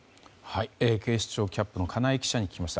警視庁キャップの金井記者に聞きました。